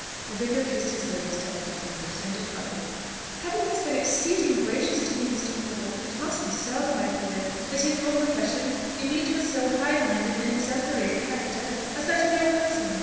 The vicar kissed his lady's delicate fingers, and departed. "Heaven has been exceeding gracious to me, Mr. Corbold. It must be seldom, I fear, that in your profession you meet with so high minded and exemplary a character as that of your cousin.